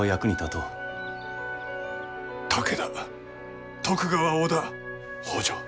武田徳川織田北条